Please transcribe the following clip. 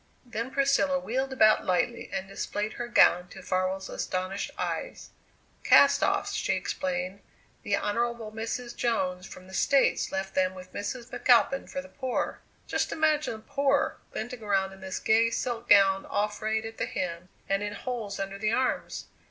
Then Priscilla wheeled about lightly and displayed her gown to Farwell's astonished eyes. "Cast offs," she explained; "the Honourable Mrs. Jones from the States left them with Mrs. McAlpin for the poor. Just imagine the 'poor' glinting around in this gay silk gown all frayed at the hem and in holes under the arms!